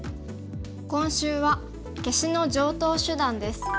今週は「消しの常とう手段」です。